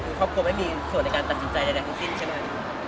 คือครอบครัวไม่มีส่วนในการตัดสินใจใดทั้งสิ้นใช่ไหมครับ